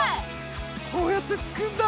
こうやってつくんだ。